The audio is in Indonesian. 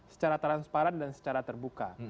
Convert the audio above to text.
secara transparan dan secara terbuka